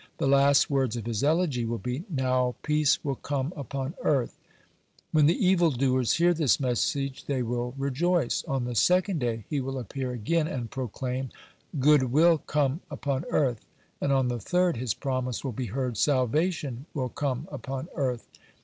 The last words of his elegy will be: "Now peace will come upon earth!" When the evil doers hear this message, they will rejoice. On the second day, he will appear again and proclaim: "Good will come upon earth!" And on the third his promise will be heard: "Salvation will come upon earth."